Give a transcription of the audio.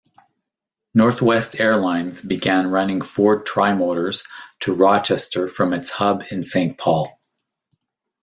Northwest Airlines began running Ford Trimotors to Rochester from its hub in Saint Paul.